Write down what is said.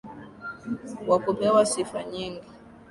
Wa kupewa sifa nyingi.